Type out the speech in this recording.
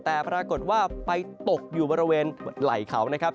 แต่ปรากฏว่าไปตกอยู่บริเวณไหล่เขานะครับ